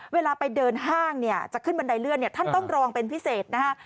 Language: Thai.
เวลาไปเดินฮ่างเนี่ยป่าวที่จะขึ้นบันไดเรือนท่านต้องรองเป็นพิเศษนะ